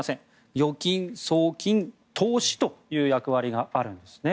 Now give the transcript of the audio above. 預金、送金、投資という役割があるんですね。